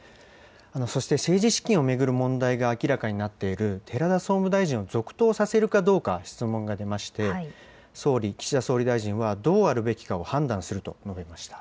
そして、政治資金を巡る問題が明らかになっている寺田総務大臣を続投させるかどうか、質問が出まして、岸田総理大臣はどうあるべきかを判断すると述べました。